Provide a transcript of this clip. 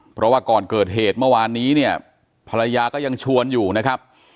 เพราะว่าก่อนเกิดเหตุเมื่อวานนี้เนี่ยภรรยาก็ยังชวนอยู่นะครับ